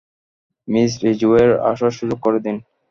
Miss রিজওয়ের আসার সুযোগ করে দিন!